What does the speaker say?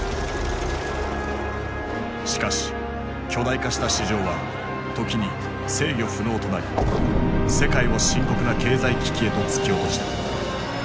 しかし巨大化した市場は時に制御不能となり世界を深刻な経済危機へと突き落とした。